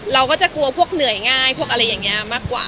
เราก็จะกลัวพวกเหนื่อยง่ายพวกอะไรอย่างนี้มากกว่า